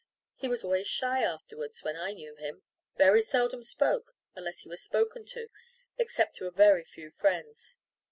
He was always shy afterwards, when I knew him very seldom spoke, unless he was spoken to, except to a very few friends.